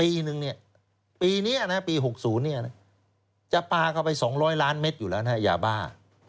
ปีนึงเนี่ยปีนี้นะครับปี๖๐จะปลากลับไป๒๐๐ล้านเม็ดอยู่แล้วนะฮะยาบ้า